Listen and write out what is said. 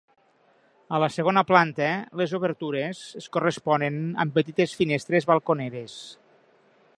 A la segona planta, les obertures es corresponen amb petites finestres balconeres.